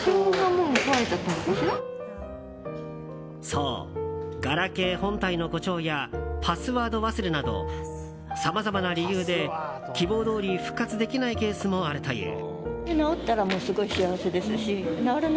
そう、ガラケー本体の故障やパスワード忘れなどさまざまな理由で希望どおり復活できないケースもあるという。